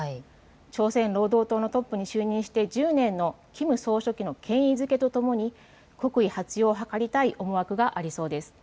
朝鮮労働党のトップに就任して１０年のキム総書記の権威づけとともに国威発揚を図りたい思惑がありそうです。